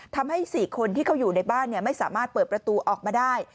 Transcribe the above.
ทำให้๔คนที่เขาอยู่ในบ้านไม่สามารถเปิดประตูออกมาได้